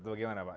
itu bagaimana pak